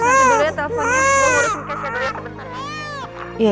nanti dulunya telfonnya